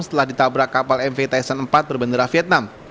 setelah ditabrak kapal mvtsn empat berbendera vietnam